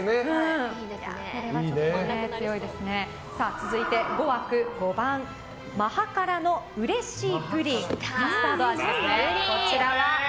続いて、５枠５番マハカラのうれしいプリンカスタード味ですね。